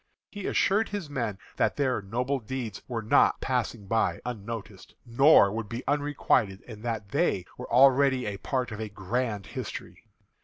He assured his men that their noble deeds were not passing by unnoticed, nor would be unrequited, and that they were already a part of a grand history.